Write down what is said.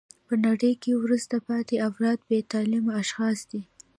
په نړۍ کښي وروسته پاته افراد بې تعلیمه اشخاص دي.